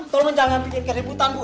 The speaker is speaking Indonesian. toh lo jangan bikin keributan bu